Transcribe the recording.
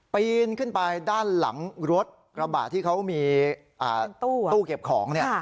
ปีนขึ้นไปด้านหลังรถกระบะที่เขามีตู้เก็บของเนี่ย